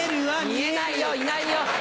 見えないよいないよ！